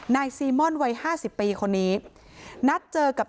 นายซีมอนวัย๕๐ปีคนนี้นัดเจอกับ